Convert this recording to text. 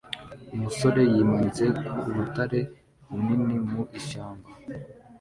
Umusore yimanitse ku rutare runini mu ishyamba